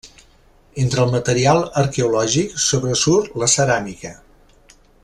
Entre el material arqueològic sobresurt la ceràmica.